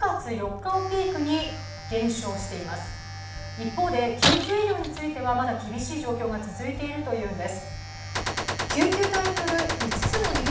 一方で救急医療についてはまだ厳しい状況が続いているというんです。